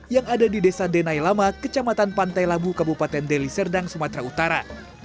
yang ada di desa denai lama kecamatan pantai labu kabupaten deli serdang sumatera utara